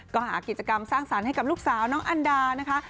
ก็หากิจกรรมสร้างสรรค์ให้กับลูกสาวน้องอันดานะคะ